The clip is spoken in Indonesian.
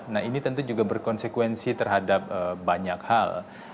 nah ini tentu juga berkonsekuensi terhadap banyak hal